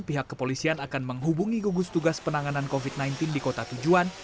pihak kepolisian akan menghubungi gugus tugas penanganan covid sembilan belas di kota tujuan